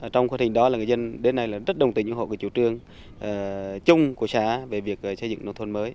trong quá trình đó người dân đến nay rất đồng tình ủng hộ chủ trương chung của xã về việc xây dựng nông thuận mới